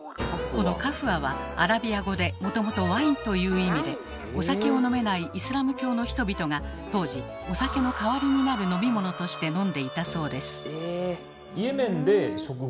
この「カフワ」はアラビア語でもともと「ワイン」という意味でお酒を飲めないイスラム教の人々が当時お酒の代わりになる飲み物として飲んでいたそうです。